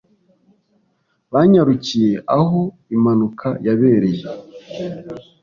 Banyarukiye aho impanuka yabereye.